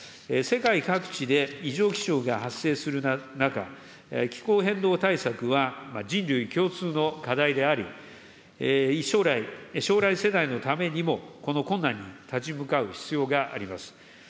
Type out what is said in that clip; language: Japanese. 世界各地で異常気象が発生する中、気候変動対策は人類共通の課題であり、将来世代のためにも、この困難に立ち向かう必要があります。